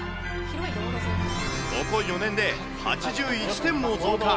ここ４年で８１店も増加。